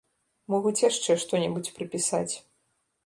Могуць яшчэ што-небудзь прыпісаць.